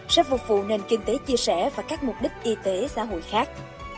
sẽ phục vụ nền kinh tế chia sẻ và các mục đích y tế xã hội khác